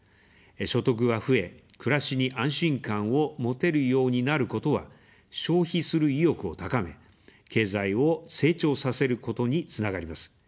所得が増え、暮らしに安心感を持てるようになることは、消費する意欲を高め、経済を成長させることにつながります。